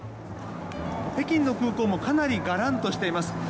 北京の空港もかなりがらんとしています。